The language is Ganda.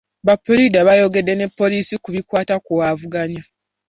Ba puliida bayogedde ne poliisi ku bikwata ku avuganya.